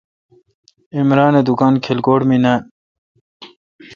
عمران اے° دکان کلکوٹ مے نان۔